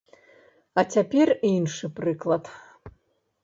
А цяпер іншы прыклад.